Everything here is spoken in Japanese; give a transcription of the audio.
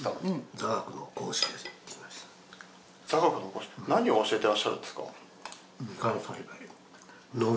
座学の講師何を教えてらっしゃるんですか？